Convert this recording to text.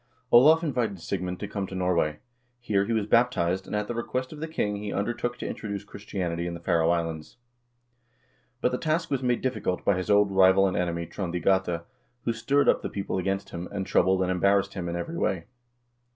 1 Olav invited Sigmund to come to Norway. Here he was baptized, and at the request of the king, he undertook to introduce Christianity in the Faroe Islands. But the task was made difficult by his old rival and enemy Trond i Gata, who stirred up the people against him, and troubled and embarrassed him in every way.